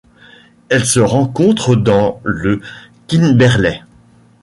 Elle se rencontre dans le Kimberley.